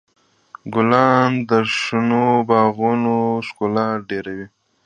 ګلان د شنو باغونو ښکلا ډېروي.